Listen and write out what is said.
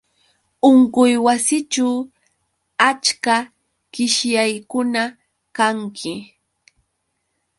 Unquywasićhu achka qishyaqkuna kanki